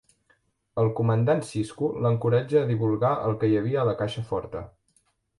El comandant Sisko l'encoratja a divulgar el que hi havia a la caixa forta.